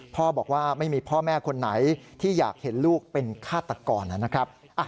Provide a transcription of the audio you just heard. บอกว่าไม่มีพ่อแม่คนไหนที่อยากเห็นลูกเป็นฆาตกรนะครับ